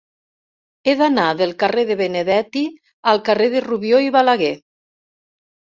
He d'anar del carrer de Benedetti al carrer de Rubió i Balaguer.